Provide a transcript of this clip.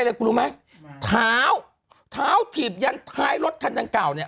อะไรคุณรู้ไหมเท้าเท้าถีบยันท้ายรถคันดังกล่าวเนี่ย